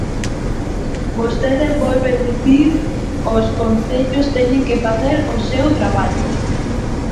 Vostede volve dicir: os concellos teñen que facer o seu traballo.